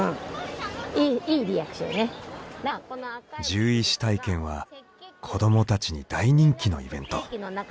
獣医師体験は子どもたちに大人気のイベント。